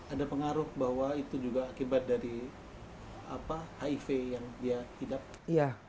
ada pengaruh bahwa itu juga akibat dari hiv yang dia tidak